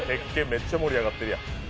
めっちゃ盛り上がってるやん。